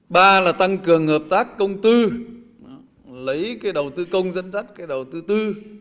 ba là tăng cường hợp tác công tư lấy cái đầu tư công dân dắt cái đầu tư tư